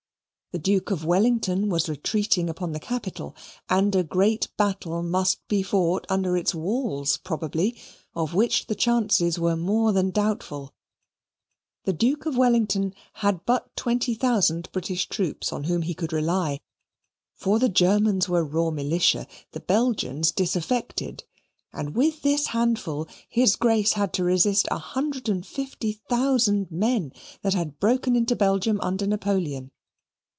The Duke of Wellington was retreating upon the capital, and a great battle must be fought under its walls probably, of which the chances were more than doubtful. The Duke of Wellington had but twenty thousand British troops on whom he could rely, for the Germans were raw militia, the Belgians disaffected, and with this handful his Grace had to resist a hundred and fifty thousand men that had broken into Belgium under Napoleon.